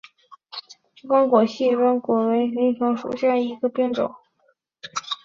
光果细苞虫实为藜科虫实属下的一个变种。